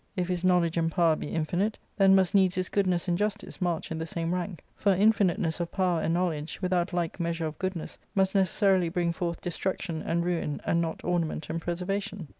If his knowledge and power be infinite, then must needs his goodness and justice march in the same rank; for infiniteness of power and knowledge, without like measure of goodness, must necessarily bring forth destruction and ruin, and not ornament and preservation.